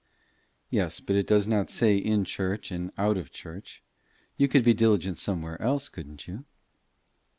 "Yes, but it does not say in church and out of church. You could be diligent somewhere else, couldn't you?"